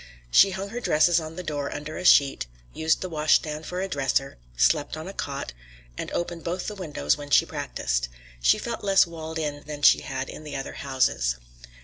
She hung her dresses on the door under a sheet, used the washstand for a dresser, slept on a cot, and opened both the windows when she practiced. She felt less walled in than she had in the other houses.